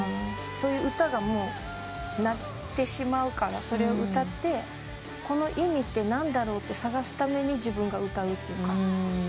そういう歌が鳴ってしまうからそれを歌ってこの意味って何だろうと探すために自分が歌うというか。